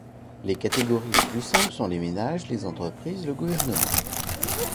Les catégories les plus simples sont les ménages, les entreprises, le gouvernement.